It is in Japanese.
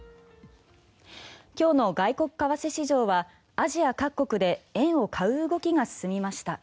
今日の外国為替市場はアジア各国で円を買う動きが進みました。